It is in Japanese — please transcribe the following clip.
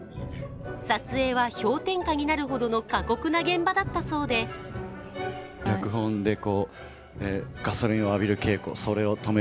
撮影は氷点下になるほどの過酷な現場だったそうで続いてはサッカーです。